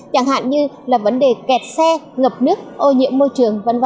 chẳng hạn như là vấn đề kẹt xe ngập nước ô nhiễm môi trường v v